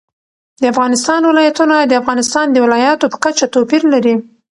د افغانستان ولايتونه د افغانستان د ولایاتو په کچه توپیر لري.